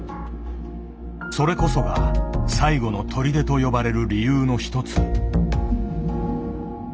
それこそが「最後の砦」と呼ばれる理由の一つ。